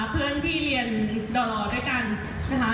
เพื่อนที่เรียนดอด้วยกันนะคะ